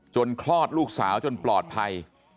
คลอดลูกสาวจนปลอดภัย